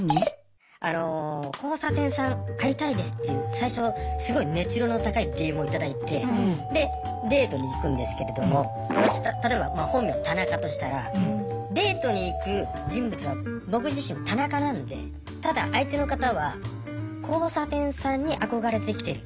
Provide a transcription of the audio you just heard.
交差点さん会いたいですっていう最初すごい熱量の高いＤＭを頂いてでデートに行くんですけれども私例えば本名田中としたらデートに行く人物は僕自身田中なんでただ相手の方は交差点さんに憧れて来てる。